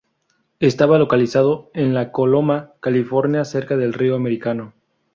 Estaba localizado en Coloma, California, cerca del río Americano.